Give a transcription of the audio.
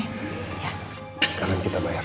sekarang kita bayar